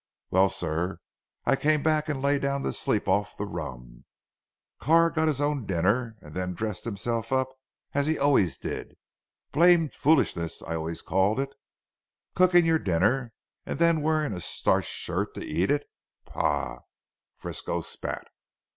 Well sir I came back and lay down to sleep off the rum. Carr got his own dinner, and then dressed himself up as he always did. Blamed foolishness I always called it. Cooking your dinner and then wearing a starched shirt to eat it. Pah!" Frisco spat.